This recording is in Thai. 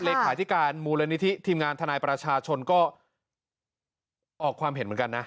เลขาธิการมูลนิธิทีมงานทนายประชาชนก็ออกความเห็นเหมือนกันนะ